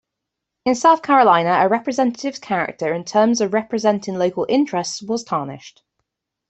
In South Carolina, a representative's character in terms of representing local interests was tarnished.